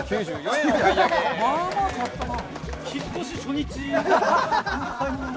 まあまあ買ったな。